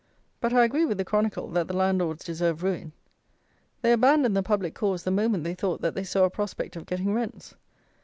But I agree with the Chronicle that the landlords deserve ruin. They abandoned the public cause the moment they thought that they saw a prospect of getting rents.